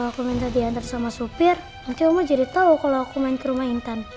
kalo aku minta diantar sama supir nanti om lo jadi tau kalo aku main ke rumah intan